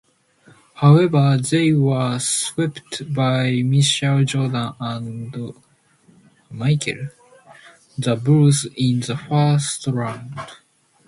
However they were swept by Michael Jordan and the Bulls in the first round.